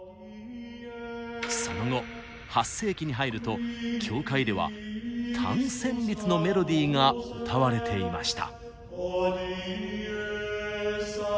その後８世紀に入ると教会では単旋律のメロディーが歌われていました。